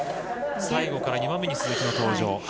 最後から２番目に鈴木が登場。